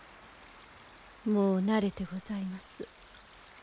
もう慣れてございます。